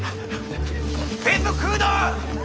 全部食うな！